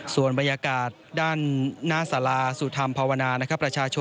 ส่วนบรรยากาศด้านหน้าสละสุทธรรมเภาวนา